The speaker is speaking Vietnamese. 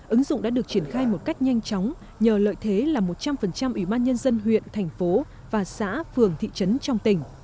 ứng dụng đã được triển khai một cách nhanh chóng nhờ lợi thế là một trăm linh ủy ban nhân dân huyện thành phố và xã phường thị trấn trong tỉnh